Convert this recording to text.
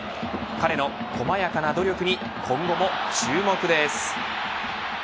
彼の細やかな努力に今後も注目です。